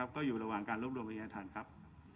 ก็อยู่ระหว่างการรบรวมบริษัทครับ